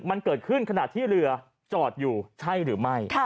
มันเกิดขึ้นขณะที่เรือจอดอยู่ใช่หรือไม่